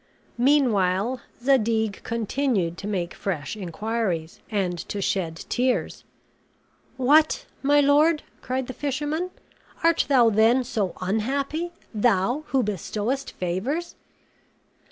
Meanwhile, Zadig continued to make fresh inquiries, and to shed tears. "What, my lord!" cried the fisherman, "art thou then so unhappy, thou who bestowest favors?"